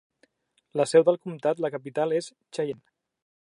La seu de comtat, la capital, és Cheyenne.